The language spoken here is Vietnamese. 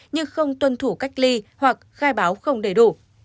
nhưng không tuân thủ cách ly hoặc khai báo không đầy đủ